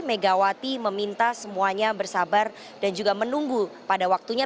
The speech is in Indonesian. megawati meminta semuanya bersabar dan juga menunggu pada waktunya